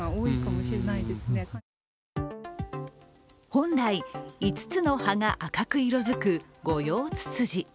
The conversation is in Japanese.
本来５つの葉が赤く色づくゴヨウツツジ。